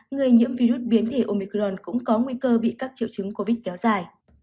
người nhiễm virus biến thể omicron cũng có nguy cơ bị các triệu chứng covid kéo dài